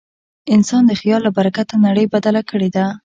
انسان د خیال له برکته نړۍ بدله کړې ده.